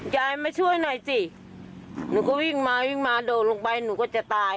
ยายมาช่วยหน่อยสิหนูก็วิ่งมาวิ่งมาโดดลงไปหนูก็จะตาย